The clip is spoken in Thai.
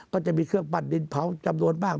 ก็จะมีเครื่องปั่นดินเผาจำนวนมาก